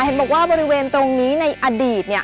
เห็นบอกว่าบริเวณตรงนี้ในอดีตเนี่ย